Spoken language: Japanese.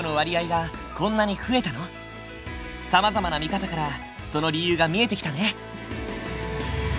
さまざまな見方からその理由が見えてきたね。